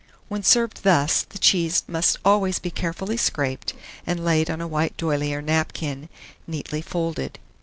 When served thus, the cheese must always be carefully scraped, and laid on a white d'oyley or napkin, neatly folded.